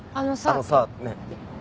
あのさねえ。